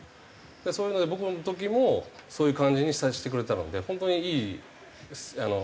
そういうので僕の時もそういう感じに接してくれたので本当にいい少年でしたね。